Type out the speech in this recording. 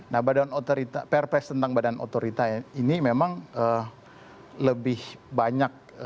nah perpres tentang badan otorita ini memang lebih banyak